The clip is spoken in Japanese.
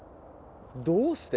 どうして？